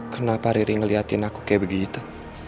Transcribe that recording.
kenapa riri ngeliatin aku kayak begitu